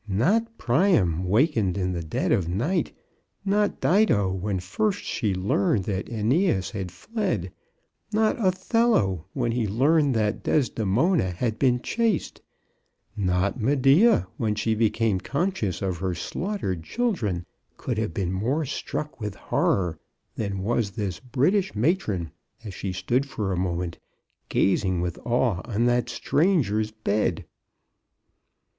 Not Priam wakened in the dead of night, not Dido when first she learned that iEneas had fled, not Othello when he learned that Desde mona had been chaste, not Medea when she became conscious of her slaughtered children, could have been more struck with horror than 24 CHRISTMAS AT THOMPSON HALL. was this British matron as she stood for a moment gazing with awe on that stranger's bed.